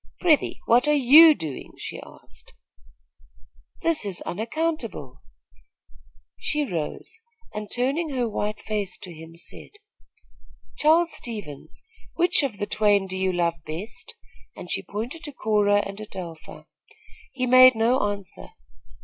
"Prythee, what are you doing?" she asked. "This is unaccountable." She rose and, turning her white face to him, said: "Charles Stevens, which of the twain do you love best?" and she pointed to Cora and Adelpha. He made no answer.